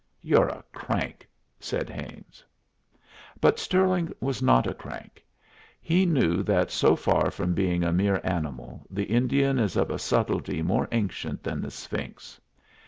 "You're a crank," said Haines. But Stirling was not a crank. He knew that so far from being a mere animal, the Indian is of a subtlety more ancient than the Sphinx.